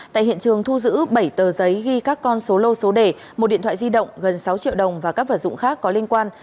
tại hiện trường thu giữ bảy tờ giấy ghi các con số lô số đề một điện thoại di động gần sáu triệu đồng và các vật dụng khác có liên quan